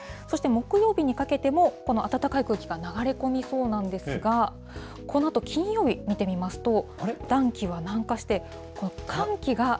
そして木曜日にかけても、この暖かい空気が流れ込みそうなんですが、このあと、金曜日見てみますと、暖気が南下して、この寒気が。